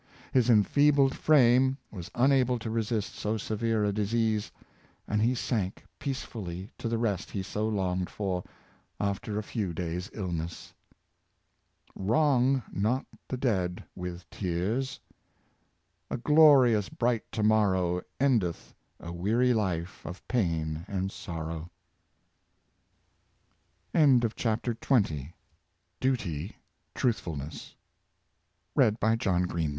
His enfeebled frame was un able to resist so severe a disease, and he sank peace fully to the rest he so longed for, after a few days' illness: " Wrong not the dead with tears ! A glorious bright to morrow Endeth a weary life of pain and sorrow.*' CHAPTER XXL TEMPER.